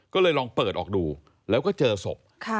ก็เลยลองเปิดออกดูแล้วก็เจอศพ